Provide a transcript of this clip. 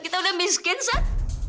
kita udah miskin sat